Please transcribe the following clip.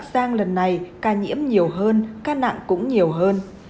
sang lần này ca nhiễm nhiều hơn ca nặng cũng nhiều hơn